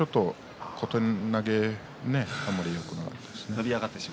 小手投げあまりよくなかったですね。